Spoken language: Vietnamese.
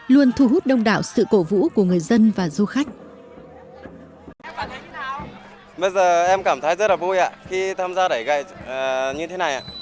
luôn thu hút đông đạo sự cổ vũ của người dân và du khách